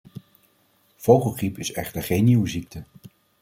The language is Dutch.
Vogelgriep is echter geen nieuwe ziekte.